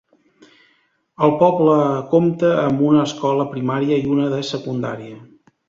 El poble compta amb una escola primària i una de secundària.